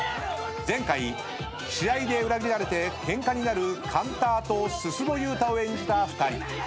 前回試合で裏切られてケンカになるカンターとスス保優太を演じた２人。